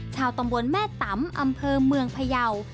ชาวตำบลแม่ตำอำเภอเมืองพยาว